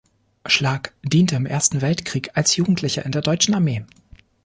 Schlag diente im Ersten Weltkrieg als Jugendlicher in der deutschen Armee.